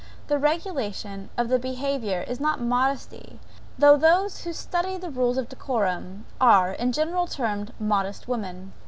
The regulation of the behaviour is not modesty, though those who study rules of decorum, are, in general termed modest women.